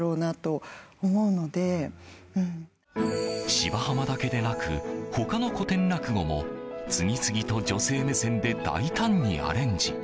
「芝浜」だけでなく他の古典落語も次々と女性目線で大胆にアレンジ。